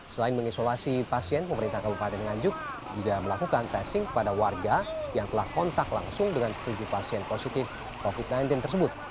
selain mengisolasi pasien pemerintah kabupaten nganjuk juga melakukan tracing kepada warga yang telah kontak langsung dengan tujuh pasien positif covid sembilan belas tersebut